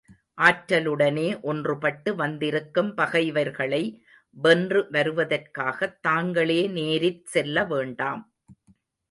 ஆற்றலுடனே ஒன்றுபட்டு வந்திருக்கும் பகைவர்களை வென்று வருவதற்காகத் தாங்களே நேரிற் செல்லவேண்டாம்.